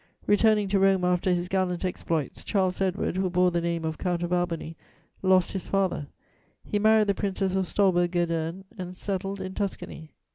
Returning to Rome after his gallant exploits, Charles Edward, who bore the name of Count of Albany, lost his father; he married the Princess of Stolberg Gedern and settled in Tuscany.